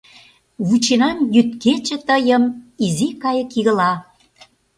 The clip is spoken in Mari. Вученам йӱд-кече тыйым изи кайык игыла.